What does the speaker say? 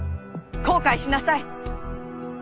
後悔しなさい！